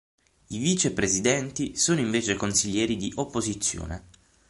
I vicepresidenti sono invece consiglieri di opposizione.